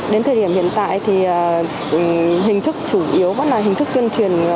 đến thời điểm hiện tại thì hình thức chủ yếu vẫn là hình thức tuyên truyền